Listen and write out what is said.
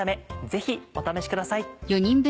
ぜひお試しください。